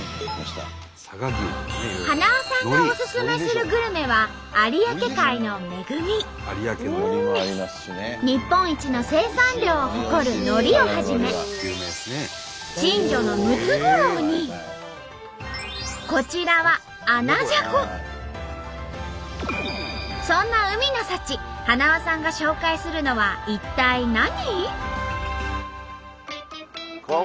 はなわさんがおすすめするグルメは日本一の生産量を誇る海苔をはじめ珍魚のムツゴロウにこちらはそんな海の幸はなわさんが紹介するのは一体何？